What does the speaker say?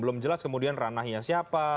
belum jelas kemudian ranahnya siapa